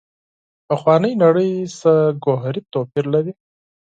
پخوانۍ نړۍ څخه ګوهري توپیر لري.